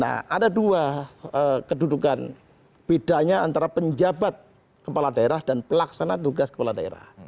nah ada dua kedudukan bedanya antara penjabat kepala daerah dan pelaksana tugas kepala daerah